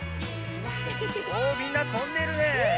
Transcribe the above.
おみんなとんでるね。